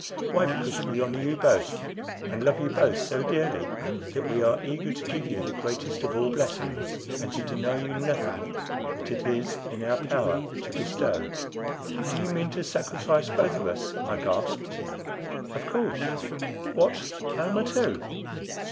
"Why, because we honor you both, and love you both so dearly that we are eager to give you the greatest of all blessings, and to deny you nothing that is in our power to bestow." "Do you mean to sacrifice both of us?" I gasped. "Of course." "What! Almah too?"